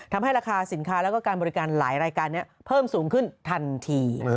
ทำให้ราคาสินค้าแล้วก็การบริการหลายรายการนี้เพิ่มสูงขึ้นทันที